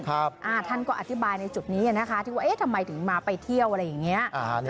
ท่านก็อธิบายในจุดนี้นะคะที่ว่าเอ๊ะทำไมถึงมาไปเที่ยวอะไรอย่างนี้